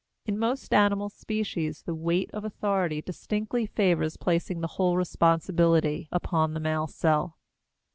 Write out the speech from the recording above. In most animal species the weight of authority distinctly favors placing the whole responsibility upon the male cell.